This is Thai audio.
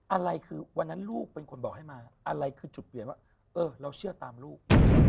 อะไรคือวันนั้นลูกเป็นคนบอกให้มาอะไรคือจุดเปลี่ยนว่าเออเราเชื่อตามลูก